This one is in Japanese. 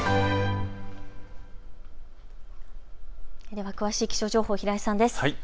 では詳しい気象情報、平井さんです。